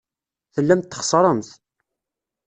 Tellamt txeṣṣremt.